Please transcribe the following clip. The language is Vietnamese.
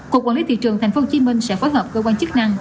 cục quản lý thị trường tp hcm sẽ phối hợp cơ quan chức năng